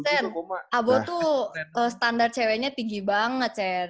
sen abo tuh standar ceweknya tinggi banget sen